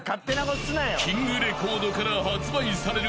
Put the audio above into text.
［キングレコードから発売される